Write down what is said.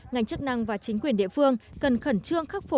ngành chức năng và chính quyền địa phương cần khẩn trương khắc phục